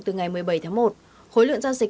từ ngày một mươi bảy tháng một khối lượng giao dịch